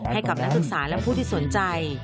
ให้กับนักศึกษาและผู้ที่สนใจ